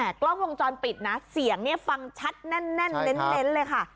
กล้องลงจอมปิดเสียงฟังชัดแน่นเล็นเลยค่ะ